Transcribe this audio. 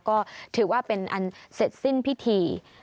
ก็ถือว่าเป็นอันเสร็จสิ้นพิธี